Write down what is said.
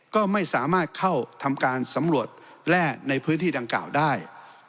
ก็ไม่สามารถเข้าทำการสำรวจแร่ในพื้นที่ดังกล่าวได้